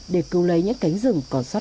để cứu lấy những cánh rừng còn xót lại